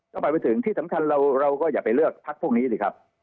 ก็หมายไปถึงที่สำคัญเราก็อย่าไปเลือกพักพวกนี้สิครับ